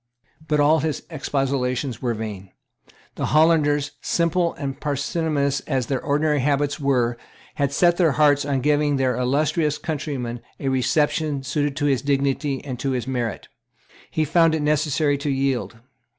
But all his expostulations were vain. The Hollanders, simple and parsimonious as their ordinary habits were, had set their hearts on giving their illustrious countryman a reception suited to his dignity and to his merit; and he found it necessary to yield.